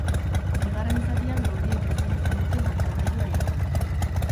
Bigarren zatian gorriek ezin izan dute markagailua irauli.